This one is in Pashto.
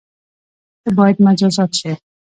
ته بايد مجازات شی